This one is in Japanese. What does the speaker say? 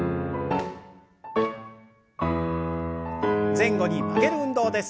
前後に曲げる運動です。